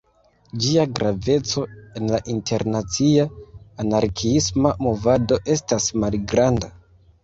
Ĝia graveco en la internacia anarkiisma movado estas malgranda.